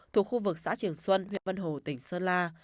thuộc khu vực xã trường xuân huyện vân hồ tỉnh sơn la